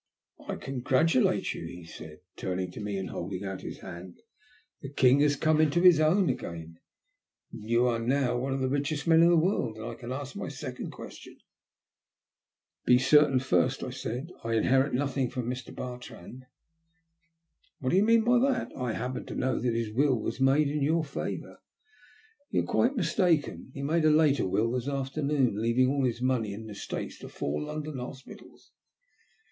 *' I congratulate you," he said, turning to me and holding out his hand. '' The king has come into his own again. Tou are now one of the richest men in the world, and I can ask my second question." THE END. 281 '' Be certain first/' I said. '' I inherit nothing from Mr. Bartrand." "What do you mean by that? I happen to know that his will was made in your favour." ''Ton are quite mistaken. He made a later will this afternoon, leaving all his money and estates to four London hospitals."